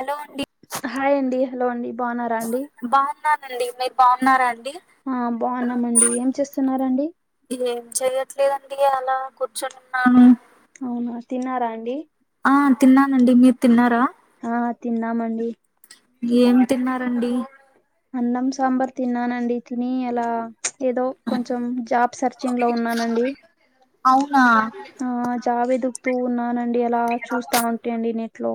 Hello అండి hi అండి hello అండి బావున్నారా అండి బావున్నానండి మీరు బావున్నారా అండి ఆ బావున్నామండి ఏం చేస్తున్నారండి ఏం చెయ్యట్లేదండి అలా కూర్చొనున్నాను అవునా తిన్నారా అండి ఆ తిన్నానండి మీరు తిన్నారా ఆ తిన్నామండి ఏం తిన్నారండి అన్నం సాంబార్ తిన్నానండి తిని అలా ఏదో కొంచెం జాబ్ సెర్చింగ్ లో ఉన్నానండి అవునా ఆ జాబ్ ఎదుకుతూ ఉన్నానండి అలా చూస్తా ఉంటి అండి నెట్ లో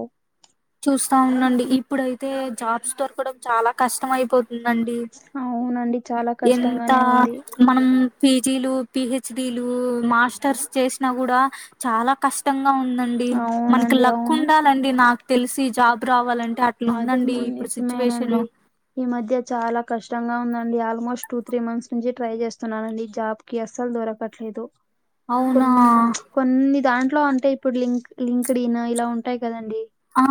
చూస్తా ఉండండి ఇప్పుడయితే జాబ్స్ దొరకడం చాలా కష్టం అయిపో తుందండి అవునండి చాలా ఎంత కష్టంగానే ఉంది మనం పీ జీ లు పి హెచ్ డి లు మాస్టర్స్ చేసినా గూడా చాలా కష్టంగా ఉందండి మనకి అవునండి లక్ అవును ఉండాలండి నాకు తెలిసి జాబ్ రావాలంటే అట్లుందండి అదేమో ఇప్పుడు సిచ్యువేషను నిజమేనండి ఈ మధ్య చాలా కష్టంగా ఉందండి ఆల్మోస్ట్ టూ త్రీ మంత్స్ నుంచి ట్రై చేస్తున్నానండి జాబ్ కి అస్సలు దొరకట్లేదు అవునా కొన్ కొన్ని దాంట్లో అంటే ఇప్పుడు లింక్ లింక్డ్ ఇన్ ఇలా ఉంటాయి కదండి ఆ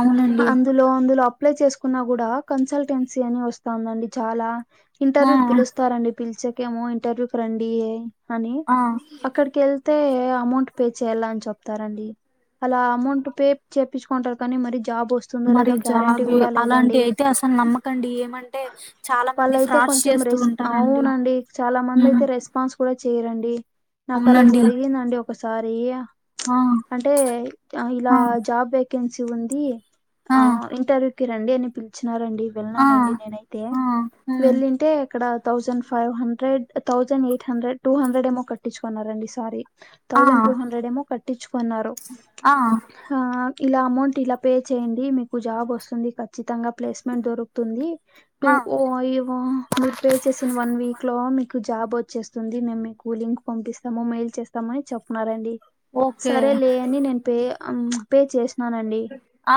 అవునండి దులో అందులో అప్లై చేసుకున్నా కూడా కన్సల్టెన్సీ అని వస్తావుందండి చాలా ఆ ఇంటర్వ్యూ కి పిలుస్తారండి పిలిచేకేమో ఇంటర్వ్యూ కి రండి అని ఆ అక్కడికెళ్తే అమౌంట్ పే చెయ్యల్లా అని చెప్తారండి అలా అమౌంట్ పే చేపిచ్చుకొంటారు కానీ మరీ జాబోస్త్ మరి జాబ్ అలాంటియి అయితే అసలు నమ్మకండి ఏమంటే చాలా మంది వాళ్ళయితే ఫ్రాడ్స్ కొంచెం చేస్తూ రెస్ ఉన్ అవునండి చాలా మంది అయితే రెస్క్ పాన్స్ కూడా చేయరండి నాకు అలా అవునండి జరిగిందండి ఒకసారి ఆ అంటే ఆ ఇలా జాబ్ వేకెన్సీ ఉంది ఆ ఇంటర్వ్యూకిి రండి అని పిలిచినారన్ డి ఆ వెళ్ళినానండి నేనైతే ఆ ఉమ్ వెళ్ళింటే అక్కడ thousand five hundred thousand eight hundred two hundred ఏమో కట్టిచ్చుకున్నారండి సారీ ఆ థౌసన్ టూ హండ్రెడ్ ఏమో కట్టిచ్చుకొన్నారు ఆ హా ఇలా అమౌంట్ ఇలా పే చెయ్యండి మీకు జాబ్ వస్తుంది ఖచ్చితంగా ప్లేస్మెంట్ దొరుకుతుంది టూ ఆ ఓ ఇవో మీరు పే చేసిన వన్ వీక్ లో మీకు జాబ్ వచ్చేస్తుంది మేము మీకు లింక్ పంపిస్తాము మెయిల్ చేస్ తాం అని చెప్పినారండి ఓకే సరే లే అని నేను పే అం పే చేసినానండి ఆ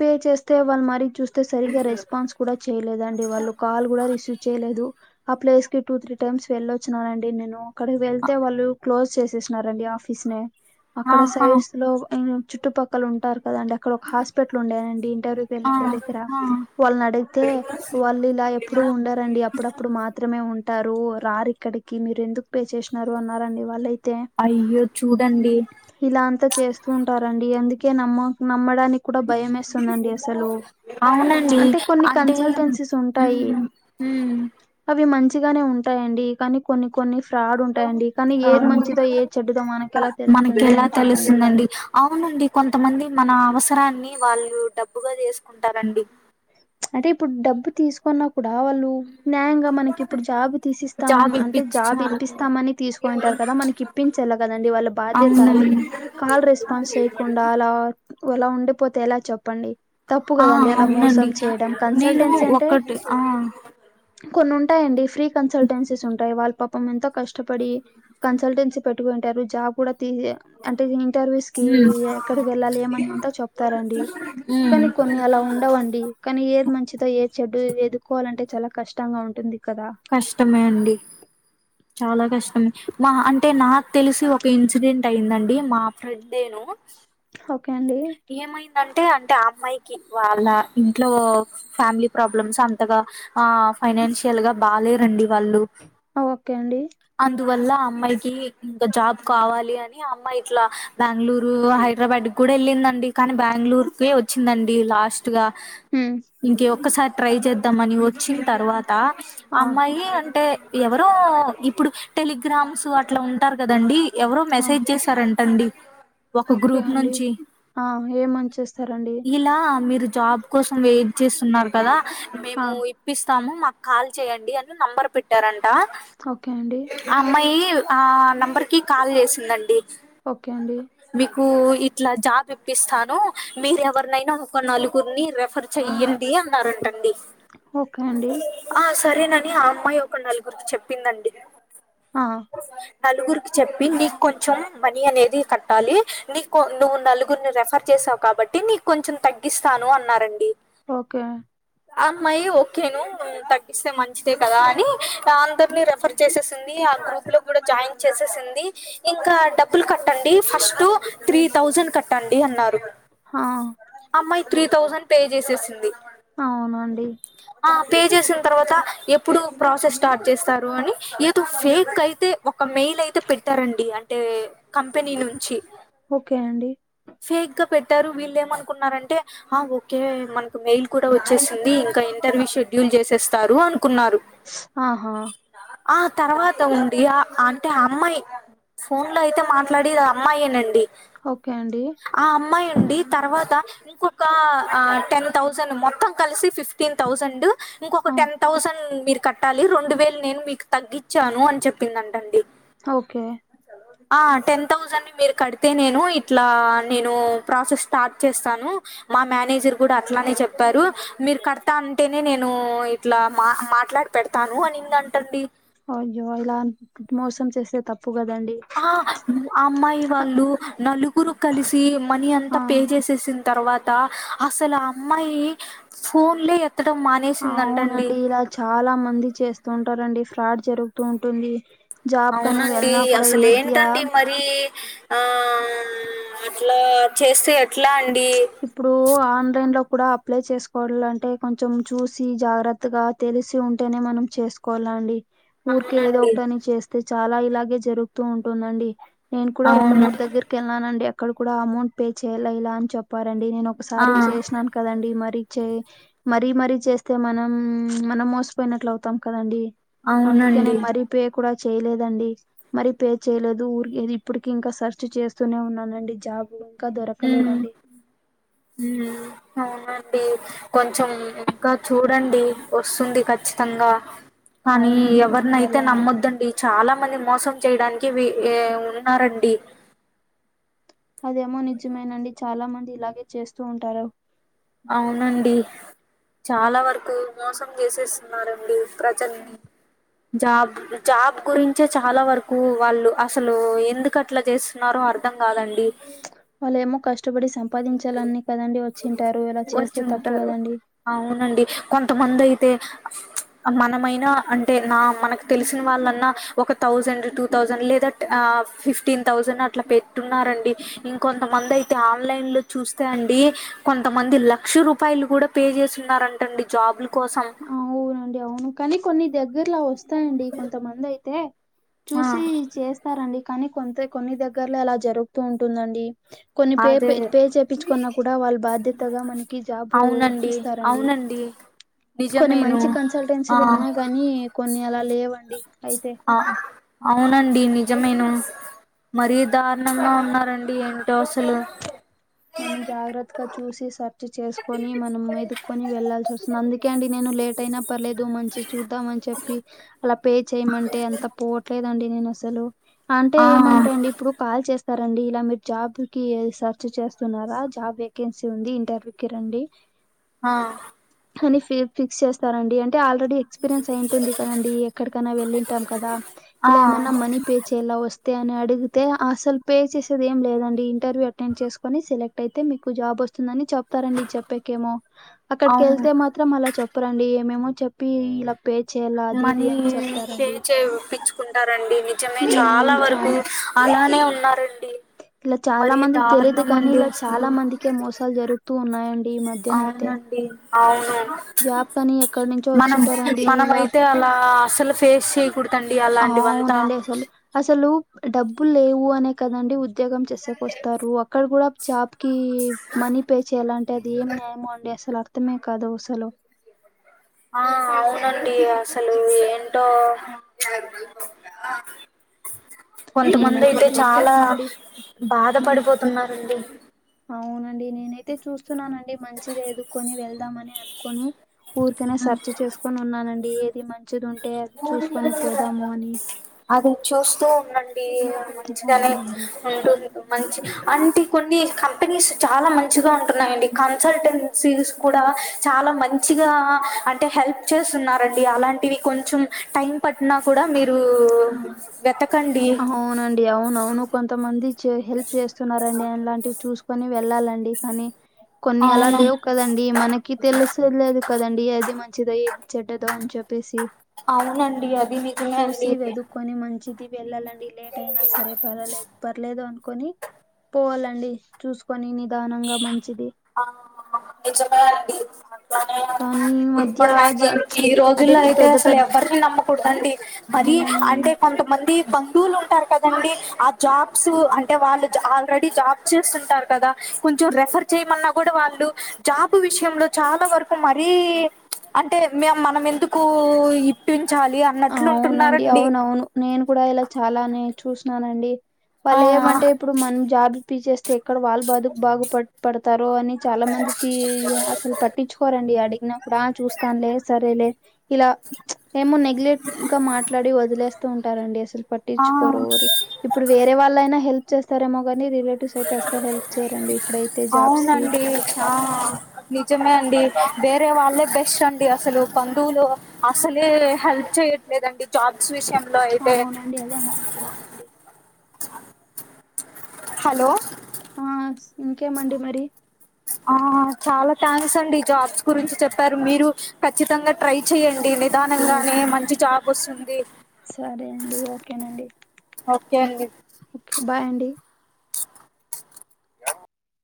పే చేస్తే వాళ్ళు మరీ చూస్ తే సరిగా రెస్పాన్స్ కూడా చెయ్లేదండి వాళ్ళు కాల్ గూడా రిసీవ్ చెయ్యలేదు ఆ ప్లేస్ కి టూ త్రీ టైమ్స్ వెళ్లోచ్చినానండి నేను అక్కడికి వెళ్తే వాళ్ళు క్లోజ్ చేసేసినారండి ఆఫ్ ఫిస్ నే అక్కడ ఆహా సైడ్స్ లో ఉమ్ చుట్టుపక్కల ఉంటారు కదండ ఇక్కడ ఒక హాస్పిటలుడేనండి ఇంటర్వకి ఆ వెళ్లిన్ దగ్గర ఆ వాళ్ళని అడిగితే వాళ్లు ఇలా చెప్ ఏప్పుడు ఉండరండి అప్పుడప్పుడు మాత్రమే ఉంటారు రారు ఇక్కడికి మీరు ఎందుకు పేచేస్ న్నరు అన్నారండి వాళ్ళైతే అయ్యో చూడండి ఇలాంతా చేస్తూ ఉంటారండి అందుకే నమ్మ నమ్మడాని కుడా భయం మేస్తుందండి అస్సలు అవునండి అంటే కొన్ని అంటే కన్సల్టెన్సీస్ ఉంటాయి ఉమ్ ఉమ్ అవి మంచిగానే ఉంటాయండి కానీ కొన్ని కొన్ని ఫ్రాడ్ ఉంటాయండి కానీ ఏది అవును మంచిదో ఏ చెడ్డదో మనకెలా తెలుస్తుంది మనకెలా అని చెప్పండి తెలుస్తుందండి. అవునండి కొంతమంది మన అవసరాన్ని వాళ్ళు డబ్బుగా చేస్కుంటారండి అంటే ఇప్పుడు డబ్బు తీసు కున్నప్పుడా వళ్ళు న్యాయంగా మనకి ఇప్పుడు జాబు తీసిస్తాం జాబ్ అంటే ఇప్పిచ్చి చాలు జాబిప్పిస్తామని తీస్ పోయింటరు కదా మనకిప్పించలా కదండి వాళ్ళ బాధ్యతాది అవునండి. కాల్ రెస్పాన్స్ చేయకుండా అలా అలా ఉండిపోతే ఎలా చెప్పండి తప్పు ఆ కదండి అలా మోస్ తం అవునండి. చేయడం నేను కన్సల్టెన్సీ అంటే ఒక్కటి ఆ కొన్ని ఉంటయిండి ఫ్రీ కన్సల్టెన్సీస్ ఉంటాయి వాళ్ళ పాపం ఎంతో కష్టపడి కన్సల్టెన్సీ పెట్టుకుంటారు జాబ్ కూడా తీసె అంటే ఇంటర్వస్ కి హ్మ్ ఎక్కడికి వెళ్ళాలి ఏమని అంత చెప్తారండి హ్మ్ కానీ కొన్ని అలా ఉండవండి కానీ ఏది మంచితో ఏది చెడ్డదో ఎదుకోవాలంటే చాలా కష్టంగా ఉంటుంది కదా కష్టమే అండి చాలా కష్టమ్ మా అంటే నాకు తెలిసి ఒక ఇన్సిడెంట్ టైందండి మా ఫ్రెండేను ఓకే అండి ఏమైందంటే అంటే ఆ అమ్మాయికి వాళ్ళ ఇంట్లో ఫ్యామిలీ ప్రాబ్లమ్స్ అంతగా ఆ ఫైనాన్షి యల్గా బాలేరండి వాళ్ళు ఓకే అండి అందువల్ల అమ్మాయికి ఇంకా జాబ్ కావాలి అని అమ్మాయి ఇట్లా బాంగ్ళూరు హైడ్రాబాడ్ కూడెళ్ళిందండి కానీ బాంగ్ళూర్కీ వచ్చిందండి లాస్ట్ గా హ్మ్ ఇంకీ ఒక్కసారి ట్రై చేద్దామని ఒచ్చిన తర్వాత ఆ అమ్మాయి అంటే ఎవరో ఇప్పుడు టెలిగ్రామ్స్ అట్ల ఉంటారు గదండి ఎవరో ఆ మెసేజ్ చేస్ స్తారంటండి ఒక గ్రూప్ నుం డి ఆ ఏమని చేస్తారండి లా మీరు జాబ్ కోసం వెయిట్ చేస్తున్నారు కదా ఆ మేము ఇప్ ప్పిస్తాము మాకు కాల్ చేయండి అని నంబర్ పెట్టారంట ఓకే అండి ఆ అమ్మాయి ఆ నెంబర్కి కాల్ చేసిందండి ఓకే అండి మీకూ ఇ ట్లా జాబిప్పిస్తాను మీరు ఎవర్నైనా ఒక నలుగుర్ని రెఫర్ చెయ్యండి అన్నారంటండి ఓకే అండి ఆ సరేనని ఆ అమ్మాయి ఒక నలుగుర్కి చెప్పిందండి ఆ నలుగుర్కి చెప్పి నీకొంచం మనీ అనేది కట్టాలి నీ కు నువ్వు నలుగుర్ని రెఫర్ చేసావ్ కాబట్టి నీకొంచం తగ్గిస్తాను అన్నారండి ఓకే అండి ఆ అమ్మాయి ఓకేను తగ్గిస్తే మంచిదే కదా అని ర్ అందరినీ రెఫర్ చేసేసి ది ఆ గ్రూప్ లో కూడా జాయిన్ చేసేసింది ఇంకా డబ్బులు కట్టండి ఫస్టు త్రీ థౌజండ్ కట్టండి అన్నారు హా అమ్మాయి త్రీ థౌజండ్ పే చేసేసింది ఔనండి ఆ పే చేసిన్తర్వాత ఎప్పుడు ప్రాసెస్ స్టార్ట్ చేస్తారు అని ఏదో ఫేకైతే ఒక మేయిలైతే పెట్టారండి అంటే కంపెనీ నుంచి ఓకే అండి ఫేక్ గా పెట్టారు వీల్లేమనుకున్నారంటే ఆ ఓకే మనకు మెయిల్ కూడా వచ్చేసింది ఇంకా ఇంటర్వ్యూ షెడ్యూల్ చేసేస్తారు అనుకున్నారు ఆహా ఆ తర్వాత ఉండి ఆ అంటే అమ్మాయి ఫోన్ లో అయితే మాట్లాడేది అమ్మాయేనండి ఓకే అండి ఆ అమ్మాయండి తర్వాత ఇంకొక టెన్ థౌజండ్ మొత్తం కలిసి ఫిఫ్టీన్ థౌజండ్ ఇంకొక ఆ టెన్ థౌసండ్ మీరు కట్టాలి రెండు వేలు నేను మీకు తగ్గించాను అని చెప్పిందంటండి ఓకే ఆ టెన్ థౌసండ్ ని మీరు కడితే నేను ఇట్లా నేను ప్రాసెస్ స్టార్ట్ చేస్తాను మా మేనేజర్ కూడా అట్లానే చెప్పారు మీరు కడతా అంటేనే నేను ఇట్లా మా మాట్లాడు కడతాను అనిందంటండి అయ్యో ఇలా మోసం చేస్తే తప్పు కదండి ఆ అమ్మాయి వాళ్ళు నలుగురు కలిసి మనీ ఆ అంతా పే చేసేసిన తర్వాత అసలు ఆ అమ్మాయి ఫోన్లే ఎత్తడం మానేసిందంటండి అవునండి ఇలా చాలా మంది చేస్తూ ఉంటారండి ఫ్రాడ్ జరుగుతూంటుంది అవునండి అసలే ఏంటండి మరి దీ ఆ అట్లా చేస్తే ఎట్లా అండి ఇప్పుడు ఆన్లైన్ లో కూడా అప్లై చేసుకోవలంటే కొంచెం చూసి జాగ్ర త్తగా తెలిసి ఉంటేనే మనం చేసుకోవాల అండి ఊరిక ఏదో అవునండి. ఒకటని చేస్తే చాలా ఇలాగే జరుగుతూంటుందండి నేను కూడా రెండు అవును. మూడు దగ్గర కెళ్ళనండి అక్కడ కూడా అమౌంట్ పే చేయల ఇలా అని చెప్పారండి నేను ఆ! ఒకసారి చేసినా కదండి మరి చే మరీ మరీ చేస్తే మనం మనం మోసపోయినట్లు అవుతాం కదండి అందుకే అవునండి. నేను మరీ పే కూడా చేయలేదండి మరి పే చేయలేదు ఊరికే ఇప్పటికి ఇంకా సెర్చ్ చేస్తూనే ఉన్నానండి జాబ్ ఇంకా దొరకలేదండి మ్ అవునండి కొంచెం ఇంకా చూడండి వస్తుంది ఖచ్చితంగా కానీ అవునండి ఎవర్నైతే చూడాలండి. నమ్మొద్దండి చాలా మంది మోసం చేయడానికి వి ఉన్నారండి అదేమో నిజమేనండి చాలా మంది ఇలాగే చేస్తూ ఉంటారు అవునండి చాలా వరకు మోసం చేసేస్తున్నారండి ప్రజల్ని జాబ్ జాబ్ గురించే చాలా వరకు వాళ్ళు అసలు ఎందుకట్లా చేస్ న్నారు అర్థం గాదండి వాళ్ళేమో కష్టపడి సంపాదించాలని కదండి వచ్చింటారు ఇలా చేస్తే తప్పు వచ్చుంటారు గదండి అవునండి కొంతమంది అయితే చ్ మనమైనా అంటే నా మనకు తెలిసిన వాళ్ళన్నా ఒక థౌజండ్ టూ థౌసండ్ లేదా అ ఫిఫ్టీన్ థౌజండ్ అట్లా పెట్టున్నారండి ఇంకా కొంతమంది అయితే ఆన్లైన్ లో చూస్తే అండి కొంతమంది లక్ష రూపాయలు గూడా పే చేసి ఉన్నారంటండి జాబ్ల కోసం అవునండి అవును కానీ కొన్ని దగ్గరల వస్తాయండి కొంతమంది అయితే ఆ చూసి చే స్తారండి కానీ కొంత కొన్ని దగ్గర్లో అలా జరుగుతూ ఉంటుందండి కొన్ని పే అదే పే పేచేపించుకున్నా గూడా వాళ్ళు బాధ్యతగా మనకి జాబు అవునండి ఇప్పిస్తారండి అవునండి కొన్ని నిజమేను మంచి కన్సల్టెన్సీలు ఆ ఉన్నాయి గాని కొన్ని అలా లేవండి అయితే ఆ అవునండి నిజమేను మరి దారుణంగా ఉన్నారండి ఏంటో అసలు మనం జాగ్రత్తగా చూసి సర్ చేసుకొని మనం ఎదుకోని ఎళ్లాల్సి వస్తుంది అందుకే అండి నేను లేట్ అయినా పర్లేదు మంచి చూద్దామని చెప్పి అలా పే చేయమంటే ఎంత పోవట్లేదు అండి నేను అసలు అంటే ఆ ఏమంటే అండి ఇప్పుడు కాల్ చేస్తారండి ఇలా మీరు జాబ్కి సర్చ్ చేస్త స్తున్నారా జాబ్ వేకెన్సీ ఉంది ఇంటర్వ్యూ కి రండి ఆ కాని సేఫ్ ఫిక్స్ చేస్తారండి అంటే ఆల్రెడీ ఎక్స్పీరియన్స్ అయి ఉంటుంది కదండి ఎక్కడికైనా వెళ్ళింటాం కదా ఆ ఇలా ఏమన్నా మనీ పే చేయలా వస్తే అని అడిగితే అసలు పే చేసేది ఏం లేదండి ఇంటర్వ్యూ అటెండ్ చేస్ అని సెలెక్ట్ అయితే మీకు జాబ్ వస్తుందని చెప్తారండి చెప్పకేమో అక్కడి అవును వెళ్తే మాత్ర మాత్రం అలా చెప్పరండి ఏమేమో చెప్పి ఇల పే చేయ్యాలా మనీ ఫే చేయో పించు కుంటారండి నిజమే చాలా వరకు అలానే ఉన్నారండి ఇలా చాలా మరీ మందికి తెలీదు దారుణం కాని అండి ఇలా అసలు చాలా మందికే మోసాలు జరుగుతూ ఉన్నాయండి ఈ మధ్య అవునండి అవును జాబ్ కని ఎక్కడి నుంచో మనం వచ్చింటారండి మనం ఇలా అయితే అలా అసలు ఫేస్ చే ప్పుడుతండి అలాంటివంతా అవునండి అసలు అసలు డబ్బులు లేవు అనే కదండి ఉద్యో ఉద్యోగం చేసేక వస్తారు అక్కడ గూడా జాబ్ కి మనీ పే చేయ్యాలంటే అది ఏం న్యాయమో అండి అసలు అ అర్థమే కాదు అసలు ఆ అవునండి అసలు ఏంటో కొంతమంది నేనైతే అయితే చాలా చూస్తున్నానండి బాధ మన్ పడిపోతున్నారండి అవునండి నేనైతే చూస్తున్నానండి మంచిది ఎదుకొని వెళ్దామని అనుకొని ఊరికనే సర్చ చేసుకొని ఉన్నానండి ఏది మంచిదో ఉ అది చూస్తూ ఉంనండి మంచిగానే అవునండి. ఉంటు మంచి అంటి కొన్ని కంపెనీస్ చాలా మంచిగా ఉంటున్నాయండి కన్సల్టెన్సీస్ గూడా చాలా మంచి మంచిగా అంటే హెల్ప్ చేస్తున్నారండి అలాంటివి కొన్ చెం టైం పట్టినా కూడా మీరు వెతకండి అవునండి అవునవును కొంతమంది చే హెల్ప్ చేస్తున్నారండి అలాంటివి చూసు కొని వెళ్ళాలండి కానీ కొన్ని అలా అవును లేవుక్ కదండి మనకి తెలుసెలేదు కదండి ఏది మంచిదో ఏది చెడ్డదో అని చెప్పేసి. అవునండి అది నిజమే అండి కొని మంచిది వెళ్ళాలండి లేట్ అయినా సరే పరలేదు పర్లేదు అనుకొని. పోవాలండి చూసుకొని నిదానంగా మంచిది ఆ నిజమే అండి కానీ ఈ మధ్య జ ఈ అంటే రోజుల్లో ఇప్పుడు అయితే పెద్ద అసలు పెద్ద ఎవరిని నమ్మకూడదండి. మరి ఉమ్ అంటే కొంతమంది బంధువులు ఉంటారు కదండి ఆ జాబ్స్ అన్ టే వాళ్ళు జ ఆల్రెడీ జాబ్ చేస్తుంటారు కదా కొంచెం రెఫర్ చేయమన్నా కూడా వాళ్ళు జాబ్ విషయంలో చాలా వరకు మరీ చ్ అంటే మే మనం ఎందుకు ఇప్పించాలి అన్నట్లు అవునండి ఉంటున్నారండి. అవునవును నేను కూడా ఇలా చాలానే చూసినానండి ఆ వాళ్ళు ఏమంటే ఇప్పుడు మనం జాబ్ ఇప్పిచేస్తే ఎక్కడ వాళ్ళ బాదుకు బాగుపడు పడతారో అని చాలా మందికి అసలు పట్టించుకోరండి అడిగినా. కూడా చూస్తానులే సరేలే ఇలా చ్ ఏమో నెగ్లెక్ట్ గా మాట్లాడి వదిలేస్తూ ఉంటారండి అసలు ఆ పట్టించుకోరు ఒరి ఇప్పుడు వేరే వాళ్ళైనా హెల్ప్ చేస్తారేమో గాని రిలేటివ్స్ అయితే అస్సలు హెల్ప్ చేయ్యరండి ఇప్పుడైతే జాబ్స్కి. అవునండి ఆ నిజమే అండి వేరే వాళ్ళే బెస్ట్ అండి అసలు బంధువులు అసలే హెల్ప్ చేయట్లేదండి జాబ్స్ విషయంలో అయితే ఆవునండి అదేమో నిజమేనండి హలో ఆస్ ఇంకేమండి మరి ఆ చాలా థ్యాంక్స్ అండి జాబ్స్ గురించి చెప్పారు మీరు ఖచ్చితంగా ట్రై చేయండి నిదానంగానే జస్ మంచి జాబ్ వొస్తుంది. సరే అండి ఓకే నండి ఓకే అండి ఓకే బాయ్ అండి